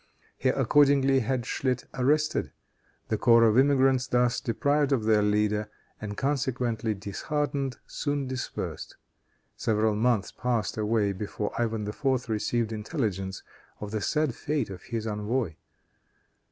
He accordingly had Schlit arrested. The corps of emigrants, thus deprived of their leader, and consequently disheartened, soon dispersed. Several months passed away before Ivan IV. received intelligence of the sad fate of his envoy.